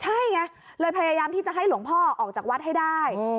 ใช่ไงเลยพยายามที่จะให้หลวงพ่อออกจากวัดให้ได้